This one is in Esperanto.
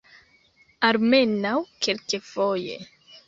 Almenaŭ kelkfoje.